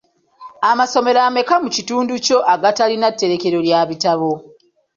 Amasomero ameka mu kiundu kio agatalina tterekero lya bitabo?